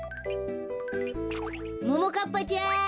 ももかっぱちゃん。